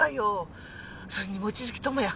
それに望月友也